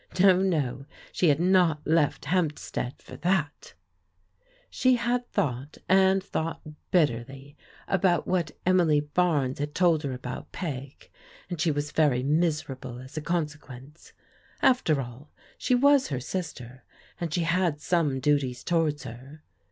No, no, she had not left Hamp stead for that ! She had thought, and thought bitterly, about what Emily Barnes had told her about Peg, and she was very miserable as a consequence. After all, she was her sis ter, and she had some duties towards her.